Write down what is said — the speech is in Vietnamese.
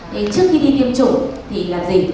thì trước khi đi tiêm chủng thì làm gì